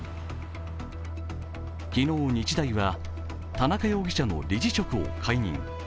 昨日、日大は田中容疑者の理事職を解任。